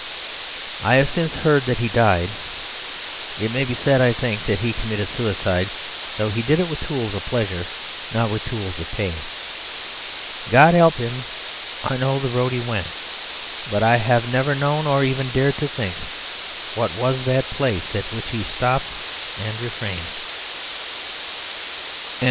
I have since heard that he died: it may be said, I think, that he committed suicide; though he did it with tools of pleasure, not with tools of pain. God help him, I know the road he went; but I have never known, or even dared to think, what was that place at which he stopped and refrained. XXXV.